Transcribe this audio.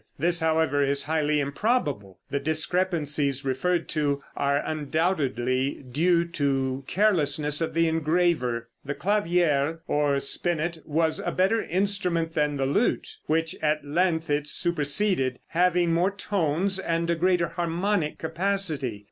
This, however, is highly improbable; the discrepancies referred to are undoubtedly due to carelessness of the engraver. The clavier, or spinet, was a better instrument than the lute, which at length it superseded, having more tones and a greater harmonic capacity.